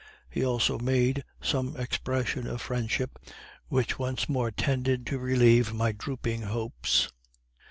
He also made some expression of friendship, which once more tended to revive my drooping hopes.